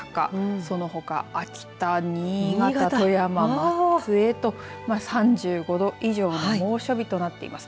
そのほか秋田、新潟、富山、松江３５度以上の猛暑日となっています。